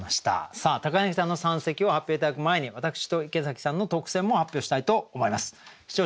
さあ柳さんの三席を発表頂く前に私と池崎さんの特選も発表したいと思います。